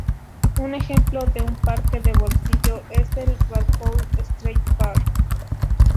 Un ejemplo de un parque de bolsillo es el Balfour Street Park.